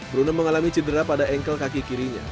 brune mengalami cedera pada engkel kaki kirinya